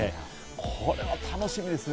これは楽しみですね。